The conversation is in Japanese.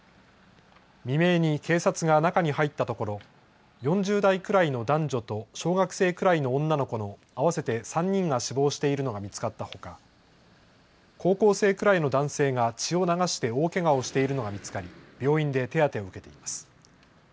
未明に警察が中に入ったところ４０代くらいの男女と小学生くらいの女の子の合わせて３人が死亡しているのが見つかったほか、高校生くらいの男性が血を流して大けがをしているのが見つかり病院で手当てを受けています。